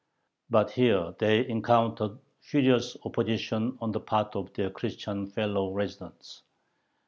But here they encountered furious opposition on the part of their Christian fellow residents.